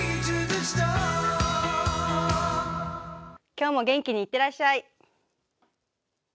今日も元気にいってらっしゃい！